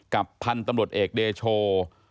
พันธุ์ตำรวจเอกเดโช